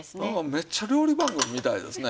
めっちゃ料理番組みたいですね。